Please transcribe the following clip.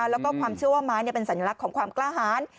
แล้วก็ความเชื่อว่าไม้เป็นสัญลักษณ์ของความกล้าหาร